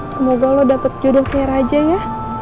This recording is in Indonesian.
semoga lo dapet jodoh kayak raja ya